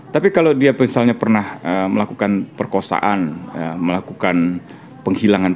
tapi kalau dia misalnya pernah melakukan perkosaan melakukan penghilangan